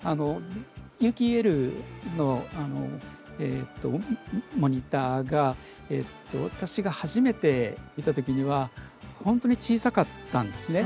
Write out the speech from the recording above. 有機ＥＬのモニターが私が初めて見たときには本当に小さかったんですね。